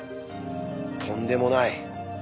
とんでもない！